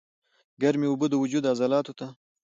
ګرمې اوبۀ د وجود عضلاتو ته